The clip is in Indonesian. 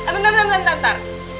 bentar bentar bentar